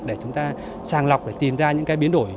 để chúng ta sàng lọc để tìm ra những cái biến đổi